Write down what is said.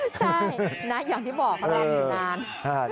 ใช่อย่างที่บอกเพราะเรามีนาน